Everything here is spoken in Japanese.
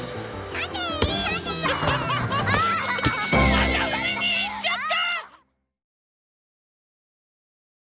またうみにいっちゃった！